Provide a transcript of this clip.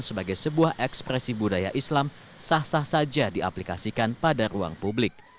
sebagai sebuah ekspresi budaya islam sah sah saja diaplikasikan pada ruang publik